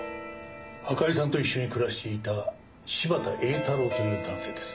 あかりさんと一緒に暮らしていた柴田英太郎という男性です。